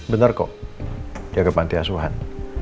bener kok di agapanti asuhan